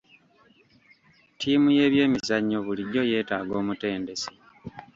Ttiimu y'ebyemizannyo bulijjo yeetaaga omutendesi.